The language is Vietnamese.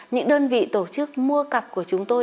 những đơn vị tổ chức mua cặp của chúng tôi